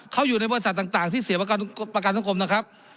เขาอยู่ในบริษัทต่างที่เสียประกันสังคมนะครับ